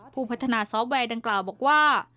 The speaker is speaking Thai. ผู้พัฒนาซอฟต์แวร์ดังกล่าวบอกว่า